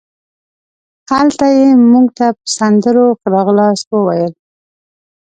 هلته یې مونږ ته په سندرو ښه راغلاست وویل.